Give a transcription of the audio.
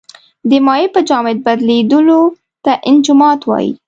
د مایع په جامد بدلیدو ته انجماد وايي.